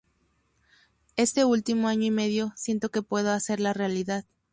Este último año y medio, siento que puedo hacerlas realidad".